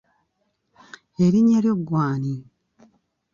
Erinnya lyo ggwe ani?